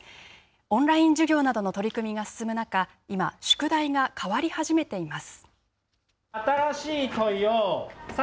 オンライン授業などの取り組みが進む中、今、宿題が変わり始めています。